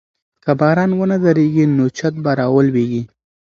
که باران ونه دريږي نو چت به راولوېږي.